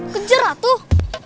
kejar lah tuh